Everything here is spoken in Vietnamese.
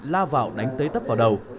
la vào đánh tới tấp vào đầu